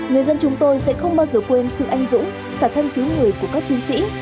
người dân chúng tôi sẽ không bao giờ quên sự anh dũng xả thân cứu người của các chiến sĩ